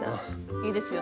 いいですよね。